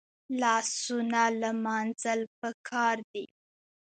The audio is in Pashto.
لاسونه لمانځل پکار دي